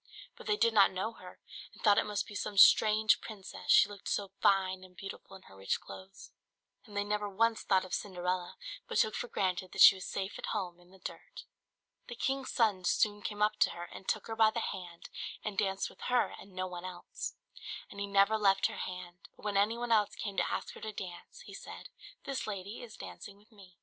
But they did not know her, and thought it must be some strange princess, she looked so fine and beautiful in her rich clothes; and they never once thought of Cinderella, but took for granted that she was safe at home in the dirt. [Illustration: Painted by Jennie Harbour CINDERELLA] The king's son soon came up to her, and took her by the hand and danced with her and no one else; and he never left her hand; but when any one else came to ask her to dance, he said, "This lady is dancing with me."